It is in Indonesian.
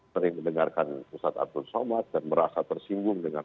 sering mendengarkan ustadz abdul somad dan merasa tersinggung dengan